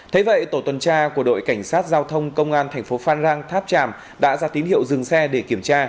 thế vậy tổ tuần tra của đội cảnh sát giao thông công an thành phố phan rang tháp tràm đã ra tín hiệu dừng xe để kiểm tra